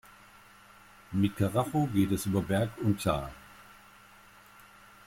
Mit Karacho geht es über Berg und Tal.